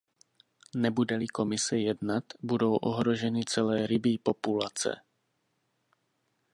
Nebude-li Komise jednat, budou ohroženy celé rybí populace.